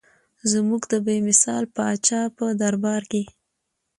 زموږ د بې مثال پاچا په دربار کې.